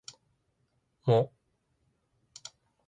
も